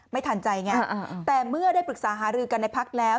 ไม่ทันใจไงแต่เมื่อได้ปรึกษาหารือกันในพักแล้ว